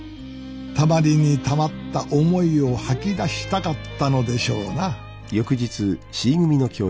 たまりにたまった思いを吐き出したかったのでしょうな